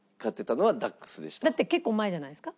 だって結構前じゃないですか？